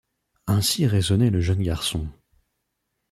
Ainsi raisonnait le jeune garçon.